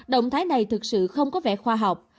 động thái này thực sự không có vẻ khoa học